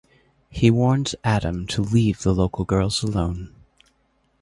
He warns Adam to leave the locals girls alone.